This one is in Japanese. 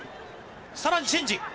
さらにチェンジ。